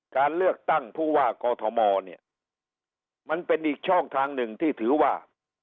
การเลือกตั้งผู้ว่ากอทมเนี่ยมันเป็นอีกช่องทางหนึ่งที่ถือว่า